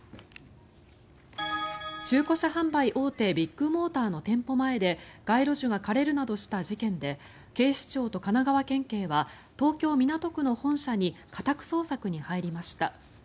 中古車販売大手ビッグモーターの店舗前で街路樹が枯れるなどした事件で警視庁と神奈川県警は東京・港区の本社に家宅捜索に入りました。